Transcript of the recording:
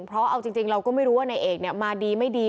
เพราะเอาจริงเราก็ไม่รู้ว่านายเอกมาดีไม่ดี